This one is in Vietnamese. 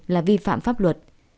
là vi phạm pháp luật